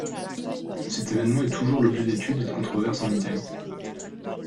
Cet évènement est toujours l'objet d'études et de controverses en Italie.